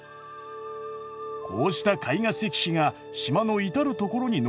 こうした絵画石碑が島の至る所に残されています。